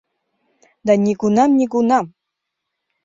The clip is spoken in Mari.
Да нигунам-нигунам.